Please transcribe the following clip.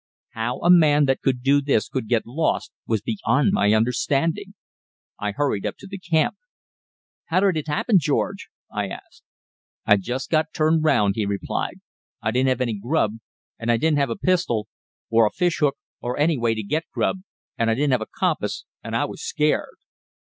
How a man that could do this could get lost was beyond my understanding. I hurried up to camp. "How did it happen, George?" I asked. "I just got turned 'round," he replied. "I didn't have any grub, and I didn't have a pistol, or a fishhook, or any way to get grub, and I didn't have a compass, and I was scared."